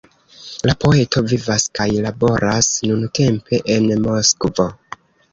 La poeto vivas kaj laboras nuntempe en Moskvo.